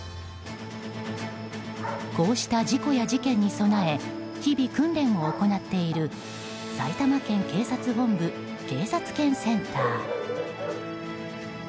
こうした事故や事件に備え日々訓練を行っている埼玉県警察本部警察犬センター。